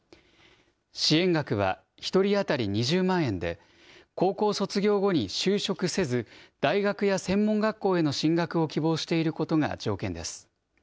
支援額は１人当たり２０万円で、高校卒業後に就職せず、大学や専門学校への進学を希望していることが条件です。